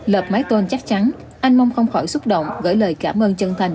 lập máy tôn chắc chắn anh mông không khỏi xúc động gửi lời cảm ơn chân thành